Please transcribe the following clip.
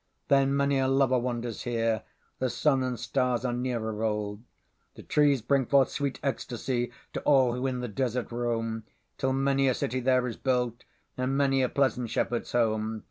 Then many a lover wanders here; The sun and stars are nearer roll'd; The trees bring forth sweet ecstasyTo all who in the desert roam; Till many a city there is built, And many a pleasant shepherd's home.